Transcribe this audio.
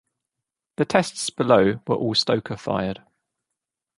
The tests below were all stoker fired.